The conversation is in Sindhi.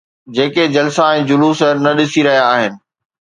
جيڪي جلسا ۽ جلوس نه ڏسي رهيا آهن؟